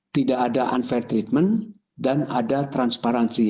tidak ada unfair treatment dan ada transparansi